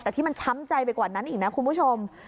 แต่ที่มันช้ำใจไปกว่านั้นอีกนะคุณผู้ชม